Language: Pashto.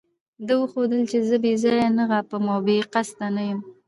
ده وښودل چې زه بې ځایه نه غاپم او بې قصده نه یم.